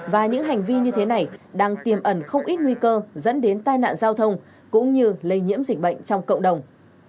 và những hành vi như thế này đang tiềm ẩn không ít nguy cơ dẫn đến tai nạn giao thông cũng như lây nhiễm dịch bệnh trong cộng đồng